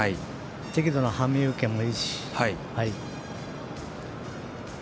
適度な馬銜受けもいいし。